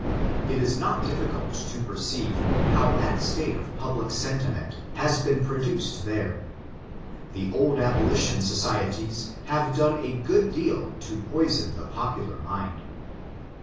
It is not difficult to perceive how that state of public sentiment has been produced there. The old abolition societies have done a good deal to poison the popular mind.